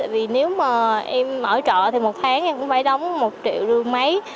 vì nếu mà em ở trọ thì một tháng em cũng phải đóng một triệu đương mấy